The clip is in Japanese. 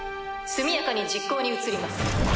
速やかに実行に移ります。